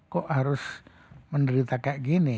kok harus menderita kayak gini